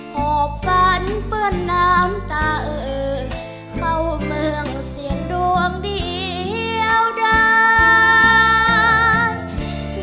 หอบฝันเปื้อนน้ำตาเอิญเฝ้าเมืองเสียงดวงเดียวดัง